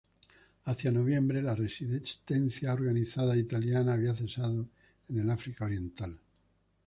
Hacia noviembre, la resistencia organizada italiana había cesado en el África Oriental.